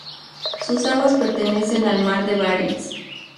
Sus aguas pertenecen al mar de Barents.